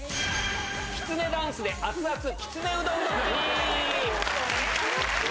きつねダンスで熱々きつねうどんドッキリ。